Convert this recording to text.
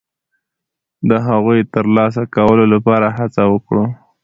د هغوی د ترلاسه کولو لپاره هڅه وکړو.